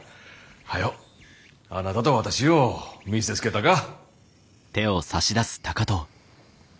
早うあなたと私を見せつけたか。